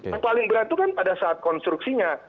yang paling berat itu kan pada saat konstruksinya